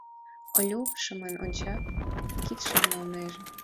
— Олю шыман онча, кидшым налнеже.